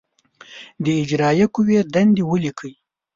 د اجرائیه قوې دندې ولیکئ.